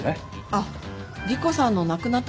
あっ莉湖さんの亡くなったお父さん。